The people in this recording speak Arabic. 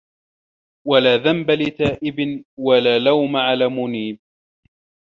وَلَا ذَنْبَ لِتَائِبٍ وَلَا لَوْمَ عَلَى مُنِيبٍ